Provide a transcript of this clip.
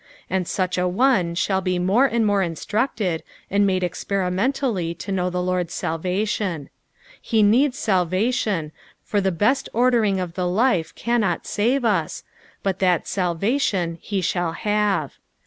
sad such a one shall be more and more instructed, and made experimentallj to know the Lord's sftlration. He needs salvation, for the best ordering of the life cannot save us, but that mltation he sliall have.